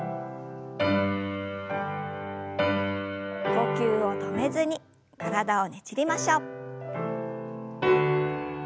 呼吸を止めずに体をねじりましょう。